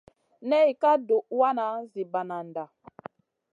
Nay ka duhw wana zi banada.